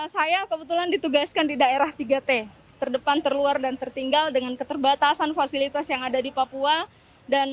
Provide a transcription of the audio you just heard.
saya kebetulan ditugaskan di daerah tiga t terdepan terluar dan tertinggal dengan keterbatasan fasilitas dan jaringan